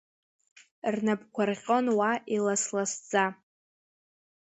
Рнапқәа рҟьон уа, илас-ласӡа.